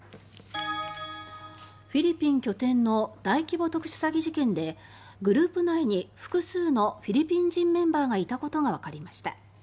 フィリピン拠点の大規模特殊詐欺事件でグループ内に複数のフィリピン人メンバーがいたことがわかりました。